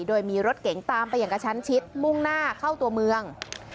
โดยมีรถเก๋งตามไปอย่างกระชั้นชิดมุ่งหน้าเข้าตัวเมือง